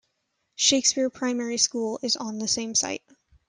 Shakespeare Primary School is on the same site.